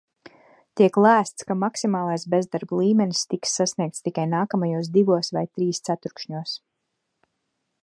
Tiek lēsts, ka maksimālais bezdarba līmenis tiks sasniegts tikai nākamajos divos vai trīs ceturkšņos.